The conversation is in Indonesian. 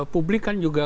publik kan juga